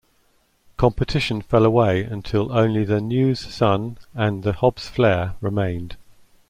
Competition fell away until only the News-Sun and the Hobbs Flare remained.